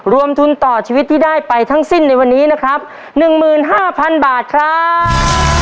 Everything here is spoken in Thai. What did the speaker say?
รวมทุนต่อชีวิตที่ได้ไปทั้งสิ้นในวันนี้นะครับหนึ่งหมื่นห้าพันบาทครับ